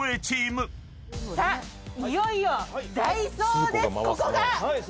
いよいよ。